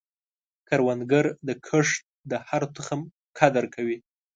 کروندګر د کښت د هر تخم قدر کوي